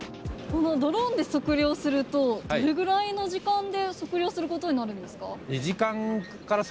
このドローンで測量すると、どれぐらいの時間で測量することになるんですか？